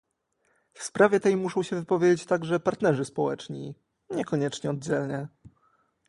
W sprawie tej muszą się wypowiedzieć także partnerzy społeczni, niekoniecznie oddzielnie